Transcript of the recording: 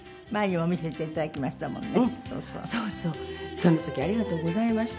その時はありがとうございました。